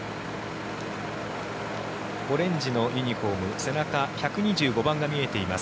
オレンジのユニホーム背中１２５番が見えています。